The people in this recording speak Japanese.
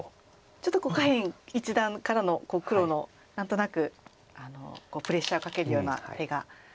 ちょっと下辺一団からの黒の何となくプレッシャーかけるような手が。